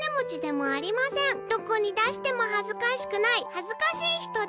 どこにだしてもはずかしくないはずかしいひとです」。